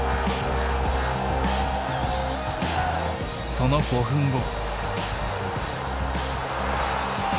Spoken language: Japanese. その５分後。